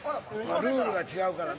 ルールが違うからね。